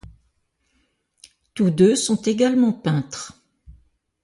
Tous deux sont également peintres.